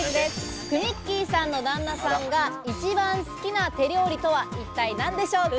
くみっきーさんの旦那さんが一番好きな手料理とは一体何でしょうか？